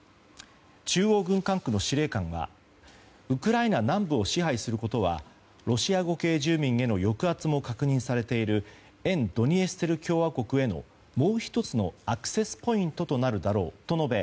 中央軍管区の司令官はウクライナ南部を支配することはロシア語系住民への抑圧も確認されている沿ドニエステル共和国へのもう１つのアクセスポイントとなるだろうと述べ